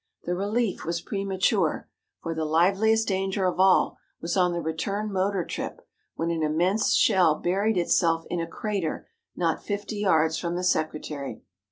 The relief was premature, for the liveliest danger of all was on the return motor trip, when an immense shell buried itself in a crater not fifty yards from the secretary.